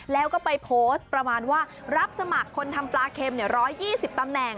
แล้วก็ไปโพสต์ประมาณว่ารับสมัครคนทำปลาเค็ม๑๒๐ตำแหน่ง